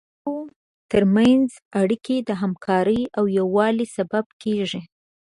د خلکو تر منځ اړیکې د همکارۍ او یووالي سبب کیږي.